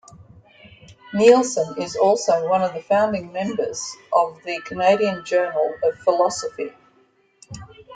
Nielsen is also one of the founding members of the "Canadian Journal of Philosophy".